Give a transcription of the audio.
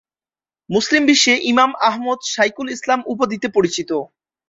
মুসলিম বিশ্বে ইমাম আহমদ শাইখুল ইসলাম উপাধিতে পরিচিত।